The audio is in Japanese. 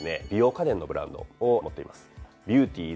美容家電のブランドを持っています。